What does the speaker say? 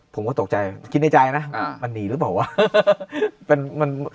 ผมก็ตกใจคิดในใจนะอ่ามันหนีหรือเปล่าวะเป็นมัน